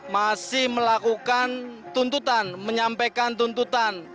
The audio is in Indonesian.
masih melakukan tuntutan menyampaikan tuntutan